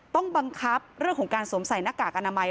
ต้องบังคับเรื่องของการสวมใส่หน้ากากอนามัย